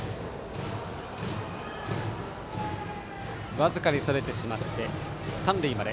僅かにそれてしまってランナーは三塁まで。